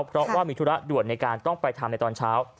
เพราะว่ามีธุระด่วนในการต้องไปทำในตอนเช้า